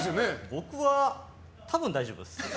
僕は多分大丈夫です。